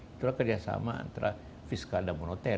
itulah kerjasama antara fiskal dan moneter